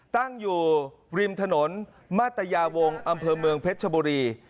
ตั้งอยู่ริมถนนมาตยาวงศอำเภอเมืองเพชรชบุรี